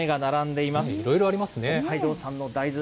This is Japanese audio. いろいろありますね。